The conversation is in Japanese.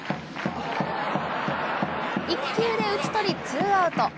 １球で打ち取り、ツーアウト。